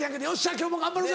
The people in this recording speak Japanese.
今日も頑張るぞ！